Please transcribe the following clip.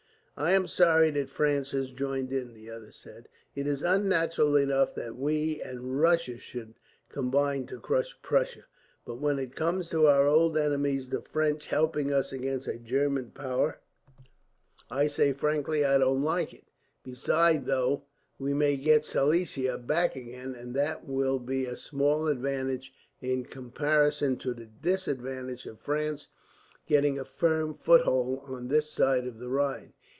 "I am sorry that France has joined in," the other said. "It is unnatural enough that we and Russia should combine to crush Prussia, but when it comes to our old enemies the French helping us against a German power, I say frankly I don't like it. Besides, though we may get Silesia back again, that will be a small advantage in comparison to the disadvantage of France getting a firm foothold on this side of the Rhine.